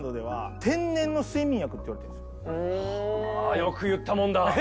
よく言ったもんだ！